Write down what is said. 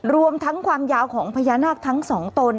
รวมทั้งความยาวของพญานาคทั้งสองตน